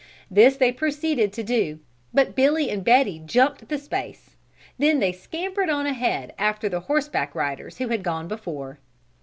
This they proceeded to do, but Billy and Betty jumped the space. Then they scampered on ahead after the horseback riders who had gone before.